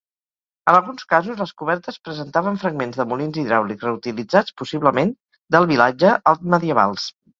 En alguns casos les cobertes presentaven fragments de molins hidràulics reutilitzats possiblement del vilatge altmedievals.